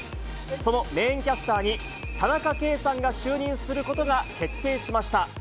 そのメインキャスターに、田中圭さんが就任することが決定しました。